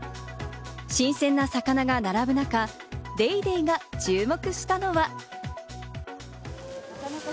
新鮮な魚が並ぶ中、『ＤａｙＤａｙ．』が注目したのは。